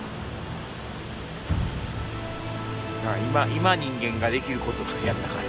今人間ができることはやったかな。